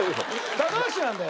高橋なんだよ